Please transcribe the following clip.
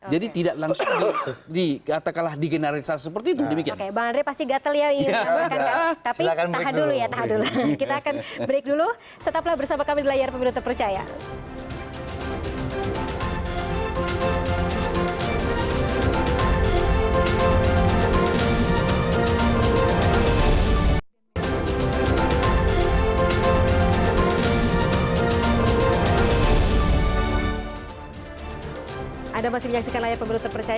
jadi tidak langsung diatakanlah di generasi seperti itu